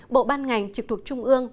bộ ban ngành trực thuộc trung ương